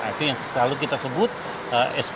itu yang selalu kita sebut sp tiga